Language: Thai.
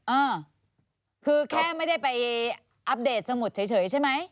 อ่าคือแค่ไม่ได้ไปอัปเดตสมุดเฉยใช่ไหม